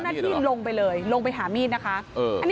ก็มันไปหามีดแล้ว